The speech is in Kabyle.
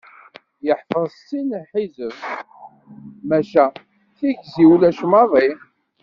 Yeḥfeḍ settin ḥizeb maca tigzi ulac maḍi.